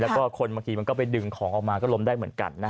แล้วก็คนบางทีมันก็ไปดึงของออกมาก็ล้มได้เหมือนกัน